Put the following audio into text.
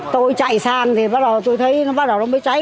tôi chạy san thì bắt đầu tôi thấy nó bắt đầu nó mới cháy